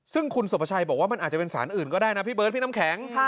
ซึ่งคุณสุภาชัยบอกว่ามันอาจจะเป็นสารอื่นก็ได้นะพี่เบิร์ดพี่น้ำแข็ง